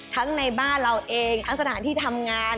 ในบ้านเราเองทั้งสถานที่ทำงาน